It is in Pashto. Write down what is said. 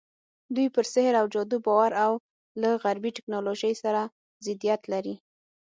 دوی پر سحر او جادو باور او له غربي ټکنالوژۍ سره ضدیت لري.